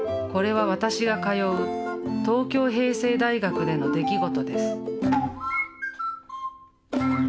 これは私が通う東京平成大学での出来事です。